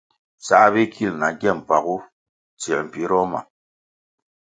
Sā bikil na gye mpagu tsiē mpiroh ma.